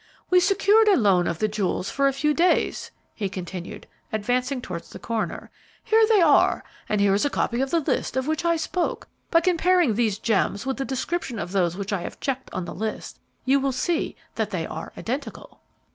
"We secured a loan of the jewels for a few days," he continued, advancing towards the coroner. "Here they are, and here is a copy of the list of which I spoke. By comparing these gems with the description of those which I have checked on the list, you will see that they are identical."